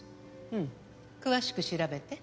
うん詳しく調べて。